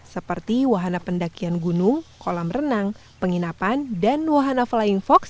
seperti wahana pendakian gunung kolam renang penginapan dan wahana flying fox